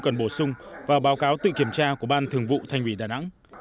cần bổ sung và báo cáo tự kiểm tra của ban thường vụ thành ủy đà nẵng